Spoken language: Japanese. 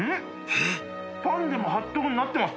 パンでもハットグになってます。